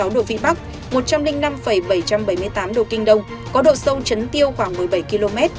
một mươi độ vĩ bắc một trăm linh năm bảy trăm bảy mươi tám độ kinh đông có độ sâu chấn tiêu khoảng một mươi bảy km